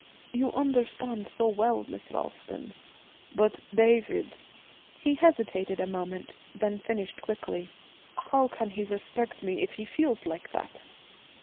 'You understand so well, Miss Ralston. But David' he hesitated a moment, then finished quickly. 'How can he respect me if he feels like that?'